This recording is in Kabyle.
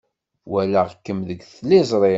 Walaɣ-kem deg tliẓri.